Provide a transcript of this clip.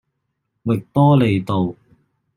域多利道